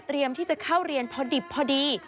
เตรียมที่จะเข้าเรียนพอดิบพอดี